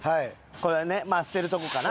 これはねまあ捨てるとこかな。